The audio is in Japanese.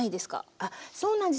あっそうなんです。